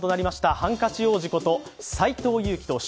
ハンカチ王子こと斎藤佑樹投手。